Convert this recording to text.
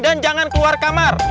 dan jangan keluar kamar